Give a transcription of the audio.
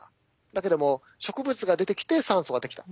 だけども植物が出てきて酸素ができた。